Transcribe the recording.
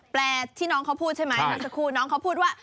แปลที่น้องเขาพูดใช่ไหมน้องเขาพูดว่า